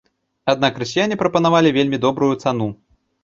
Аднак расіяне прапанавалі вельмі добрую цану.